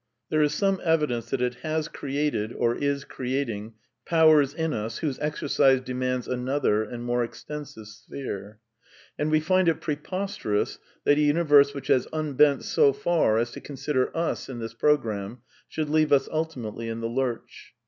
There is some evidence that it has created, or is creating, powers in us whose exercise demands another and more extensive sphere. And we find it preposterous that a universe which has unbent so far as to consider us in this programme should leave us ultimately in the lurch.